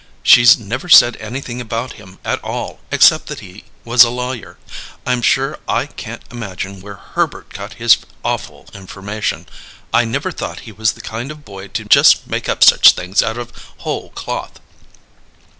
She's never said anything about him at all, except that he was a lawyer. I'm sure I can't imagine where Herbert got his awful information; I never thought he was the kind of boy to just make up such things out of whole cloth."